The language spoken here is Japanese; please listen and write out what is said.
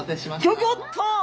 ギョギョッと！